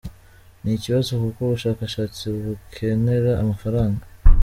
Ni ikibazo kuko ubushakashatsi bukenera amafaranga.